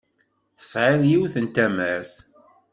Tesɛiḍ yiwet n tamert.